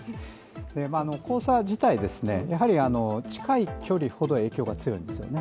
黄砂自体、近い距離ほど影響が強いんですよね。